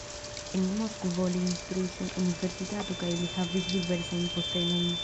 En Moskvo li instruis en universitato kaj li havis diversajn postenojn.